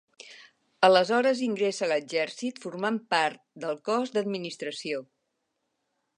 Aleshores ingressa a l'exèrcit, formant part del Cos d'Administració.